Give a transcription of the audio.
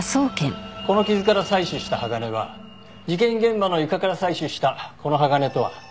この傷から採取した鋼は事件現場の床から採取したこの鋼とは一致しませんでした。